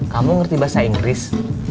kamu ngerti bahasa inggris